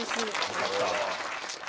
よかった。